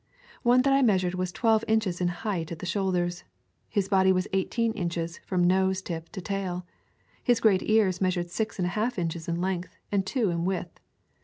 One that I measured was twelve inches in height at the shoulders. His body was eighteen inches, from nose tip to tail. His great ears measured six and a half inches in length and two in width.